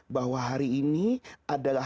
bahwa hari ini adalah